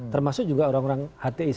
termasuk juga orang orang hti